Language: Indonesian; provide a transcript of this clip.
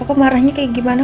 kau marahnya kayak gimana